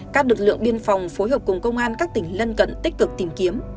các lực lượng biên phòng phối hợp cùng công an các tỉnh lân cận tích cực tìm kiếm